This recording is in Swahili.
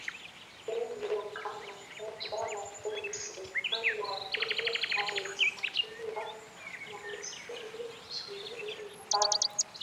wengi upande mmoja lakini si upande wa pili anahesabiwa kama maskini Ishirini na tatu